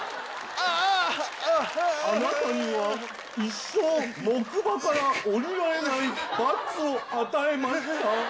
あなたには、一生木馬から降りられない罰を与えました。